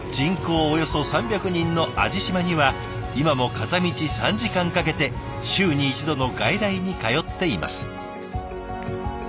およそ３００人の網地島には今も片道３時間かけて週に一度の外来に通っています。